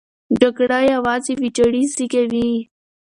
جګړه یوازې ویجاړۍ زېږوي.